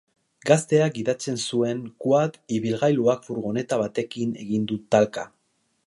Gazteak gidatzen zuen quad ibilgailuak furgoneta batekin egin du talka.